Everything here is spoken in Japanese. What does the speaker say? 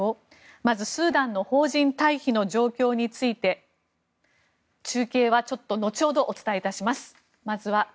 まず、スーダンの邦人退避の状況について中継はちょっと後ほどお伝えいたします。